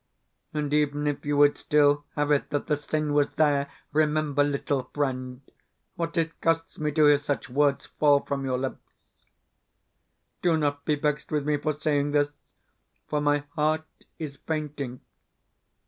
And even if you would still have it that the sin was there, remember, little friend, what it costs me to hear such words fall from your lips. Do not be vexed with me for saying this, for my heart is fainting.